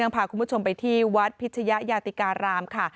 พาคุณผู้ชมไปที่วัดพิชยะยาติการามค่ะ